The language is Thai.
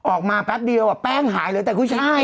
ออกมาแป๊บเดียวแป้งหายเลยแต่กุ้วชาย